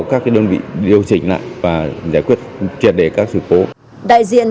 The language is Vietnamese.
các hợp đồng để xảy ra cái tánh chấp pháp lý giữa hai bên